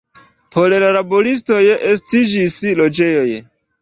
Por la laboristoj estiĝis loĝejoj.